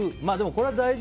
これも大事。